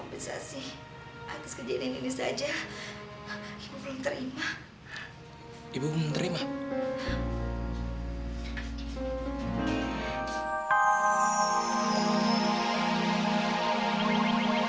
belum ibu belum terima kompensasi